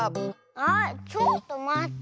あっちょっとまって。